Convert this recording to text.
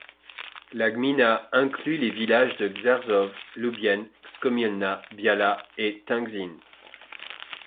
La gmina inclut les villages de Krzeczów, Lubień, Skomielna Biała et Tenczyn.